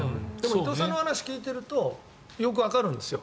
伊藤さんの話を聞いてるとよくわかるんですよ。